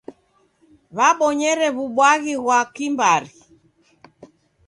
W'abonyere w'ubwaghi ghwa kimbari.